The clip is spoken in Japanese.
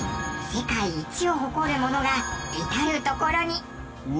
世界一を誇るものが至る所に。